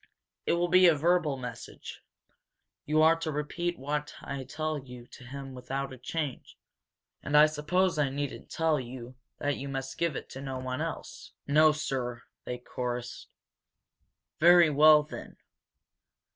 "It will be a verbal message. You are to repeat what I tell you to him without a change. And I suppose I needn't tell you that you must give it to no one else?" "No, sir," they chorused. "Very well, then.